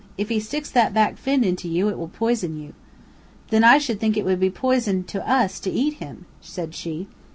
If he sticks that back fin into you, it will poison you." "Then I should think it would poison us to eat him," said she.